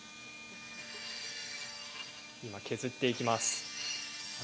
今、削っていきます。